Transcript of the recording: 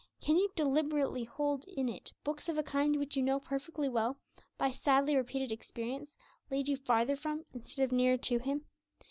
Can you deliberately hold in it books of a kind which you know perfectly well, by sadly repeated experience, lead you farther from instead of nearer to Him?